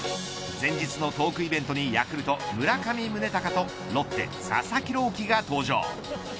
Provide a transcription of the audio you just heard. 前日のトークイベントにヤクルト村上宗隆とロッテ佐々木朗希が登場。